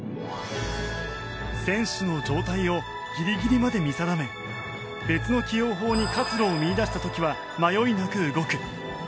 選手の状態をギリギリまで見定め別の起用法に活路を見いだした時は迷いなく動く。